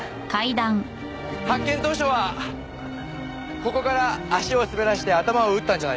発見当初はここから足を滑らせて頭を打ったんじゃないかって。